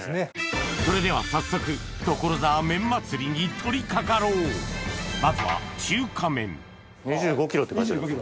それでは早速所沢麺祭りに取り掛かろうまずは２５ｋｇって書いてあります。